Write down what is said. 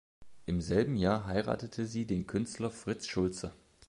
Im selben Jahr heiratete sie den Künstler Fritz Schulze.